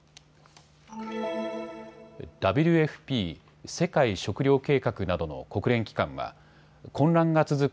ＷＦＰ・世界食糧計画などの国連機関は混乱が続く